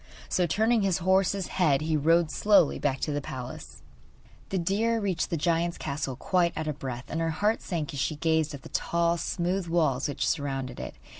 So, turning his horse's head, he rode slowly back to his palace. The deer reached the giant's castle quite out of breath, and her heart sank as she gazed at the tall, smooth walls which surrounded it.